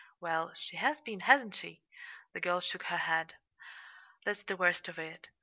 "Well, she has been, hasn't she?" The girl shook her head. "That's the worst of it.